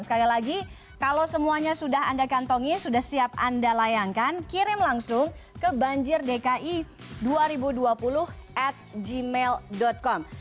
sekali lagi kalau semuanya sudah anda kantongi sudah siap anda layangkan kirim langsung ke banjir dki dua ribu dua puluh at gmail com